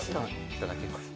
いただきます。